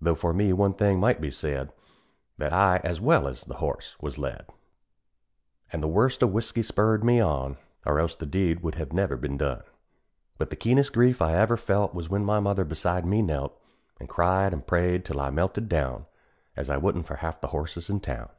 Though for me one thing might be said That I, as well as the horse, was led; And the worst of whisky spurred me on, Or else the deed would have never been done. But the keenest grief I ever felt Was when my mother beside me knelt, An' cried an' prayed, till I melted down, As I wouldn't for half the horses in town.